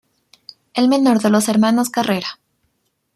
El menor de los hermanos Carrera.